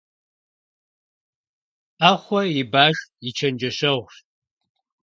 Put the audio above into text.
Ӏэхъуэ и баш и чэнджэщэгъущ.